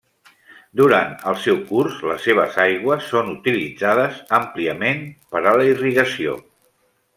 Durant el seu curs, les seves aigües són utilitzades àmpliament per a la irrigació.